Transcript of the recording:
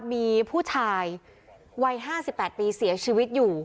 มีผู้ชายวัย๕๘ปีเสียชีวิตอยู่